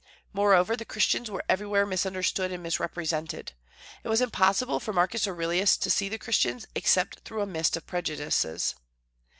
Moreover, the Christians were everywhere misunderstood and misrepresented. It was impossible for Marcus Aurelius to see the Christians except through a mist of prejudices.